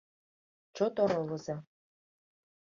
Чот оролыза.